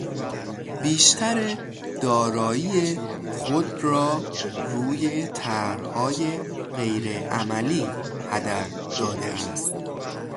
بیشتر دارایی خود را روی طرحهای غیر عملی هدر داده است.